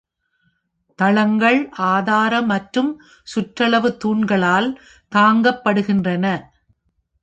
தளங்கள் ஆதார மற்றும் சுற்றளவு தூண்களால் தாங்கப்படுகின்றன.